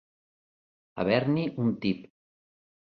Haver-n'hi un tip.